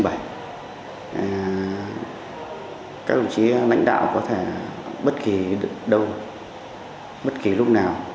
các đồng chí lãnh đạo có thể bất kỳ đâu bất kỳ lúc nào